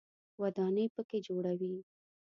ودانۍ په کې جوړوي.